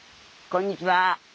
こんにちは。